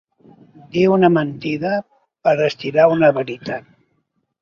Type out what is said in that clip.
Dir una mentida per estirar una veritat.